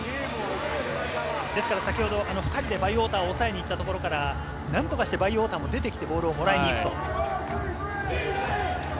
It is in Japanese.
先ほど２人でバイウォーターを抑えにいったところから、何とかしてバイウォーターも出てきてボールをもらいに行くと。